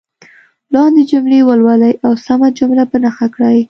لاندې جملې ولولئ او سمه جمله په نښه کړئ.